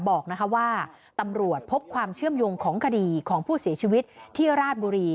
บอกว่าตำรวจพบความเชื่อมโยงของคดีของผู้เสียชีวิตที่ราชบุรี